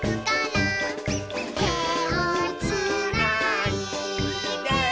「てをつないで」